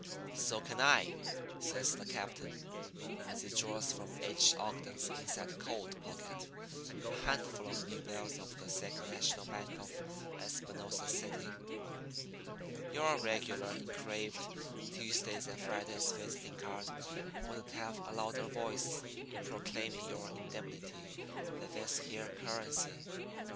"'So can I,' says the captain, as he draws from H. Ogden's inside coat pocket a handful of new bills of the Second National Bank of Espinosa City. 'Your regular engraved Tuesdays and Fridays visiting card wouldn't have a louder voice in proclaiming your indemnity than this here currency.